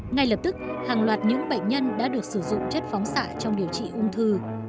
ngay lập tức hàng loạt những bệnh nhân đã được sử dụng chất phóng xạ trong điều trị ung thư